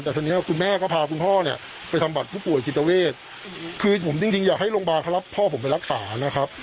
แต่ทีนี้คุณแม่ก็พาคุณพ่อเนี่ยไปทำบัตรผู้ป่วยจิตเวทคือผมจริงจริงอยากให้โรงพยาบาลเขารับพ่อผมไปรักษานะครับ